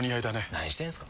何してんすか。